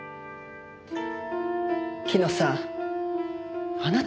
日野さんあなた